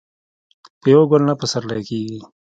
په یو ګل نه پسرلی کېږي